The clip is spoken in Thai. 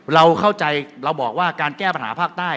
เราเข้าใจเราบอกว่าการแก้ปัญหาภาคใต้